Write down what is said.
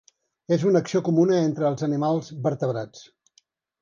És una acció comuna entre els animals vertebrats.